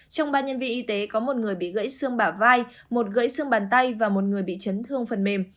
trong ba nhân viên y tế có một người bị gãy xương bả vai một gãy xương bàn tay và một người bị chấn thương phần mềm